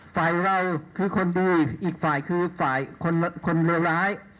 ฝ่ายเราคือคนดูอีกฝ่ายคือฝ่ายคนเลวร้าย